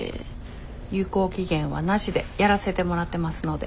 有効期限はなしでやらせてもらってますので。